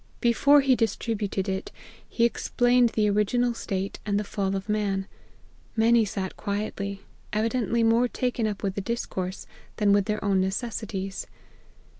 Before he distributed it, he explained the original state and the fall of man. Many sat quietly ; evidently more taken up with the discourse, than with their own necessities.